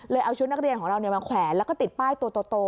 เอาชุดนักเรียนของเรามาแขวนแล้วก็ติดป้ายตัวโต